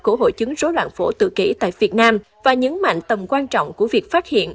của hội chứng rối loạn phổ tự kỷ tại việt nam và nhấn mạnh tầm quan trọng của việc phát hiện